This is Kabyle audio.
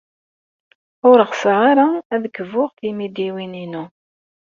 Ur ɣseɣ ara ad kbuɣ timidiwin-inu.